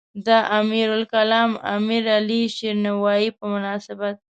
د امیرالکلام امیرعلی شیرنوایی په مناسبت.